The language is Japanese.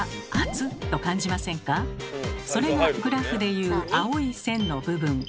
それがグラフでいう青い線の部分。